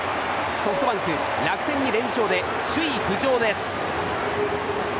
ソフトバンク、楽天に連勝で首位浮上です。